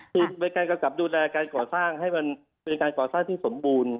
คือเป็นการกำกับดูแลการก่อสร้างให้มันเป็นการก่อสร้างที่สมบูรณ์